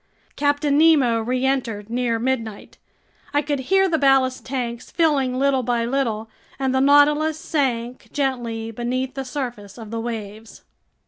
Captain Nemo reentered near midnight. I could hear the ballast tanks filling little by little, and the Nautilus sank gently beneath the surface of the waves.